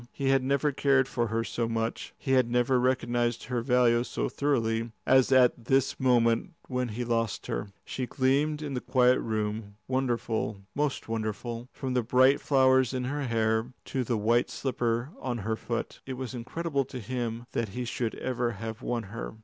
He had never cared for her so much, he had never recognised her value so thoroughly, as at this moment when he lost her. She gleamed in the quiet room, wonderful, most wonderful, from the bright flowers in her hair to the white slipper on her foot. It was incredible to him that he should ever have won her.